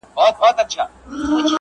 چي هغه زه له خياله وباسمه.